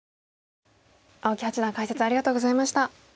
青木八段解説ありがとうございました。